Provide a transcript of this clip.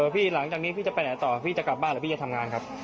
หลังจากนี้พี่จะไปไหนต่อพี่จะกลับบ้านหรือพี่จะทำงานครับ